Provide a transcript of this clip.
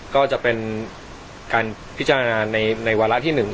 ก็จะเป็นการพิจารณาในวาระที่๑